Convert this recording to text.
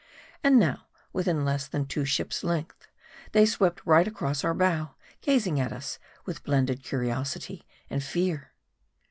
And now, within less than two ships' lengths, they swept right across our bow, gazing at us with blended curiosity and fear.